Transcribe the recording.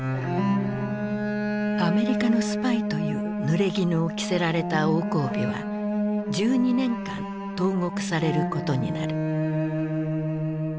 アメリカのスパイというぬれぎぬを着せられた王光美は１２年間投獄されることになる。